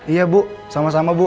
iya bu sama sama bu